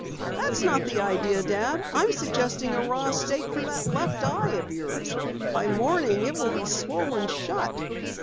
"That's not the idea, Dad. I'm suggesting a raw steak for that left eye of yours. By morning it will be swollen shut."